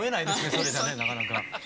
それじゃあねなかなか。